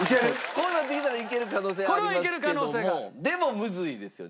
こうなってきたらいける可能性ありますけどもでもむずいですよね。